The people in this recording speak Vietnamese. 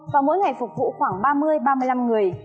và mỗi ngày phục vụ khoảng ba mươi ba mươi năm người